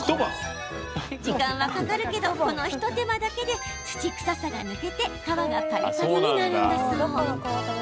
時間はかかるけどこの一手間だけで土臭さが抜けて皮がパリパリになるんだそう。